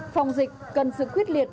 phòng dịch cần sự khuyết liệt